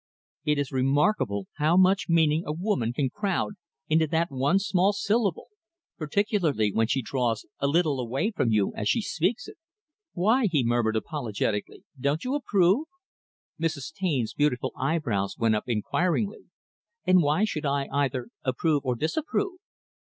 It is remarkable how much meaning a woman can crowd into that one small syllable; particularly, when she draws a little away from you as she speaks it. "Why," he murmured apologetically, "don't you approve?" Mrs. Taine's beautiful eyebrows went up inquiringly "And why should I either approve or disapprove?"